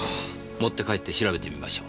持って帰って調べてみましょう。